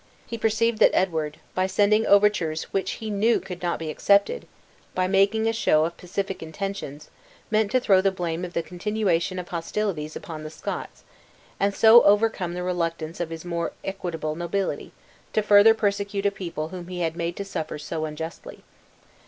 He perceived that Edward, by sending overtures which he knew could not be accepted by making a show of pacific intentions, meant to throw the blame of the continuation of hostilities upon the Scots, and so overcome the reluctance of his more equitable nobility, to further persecute a people whom he had made suffer so unjustly.